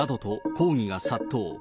抗議が殺到。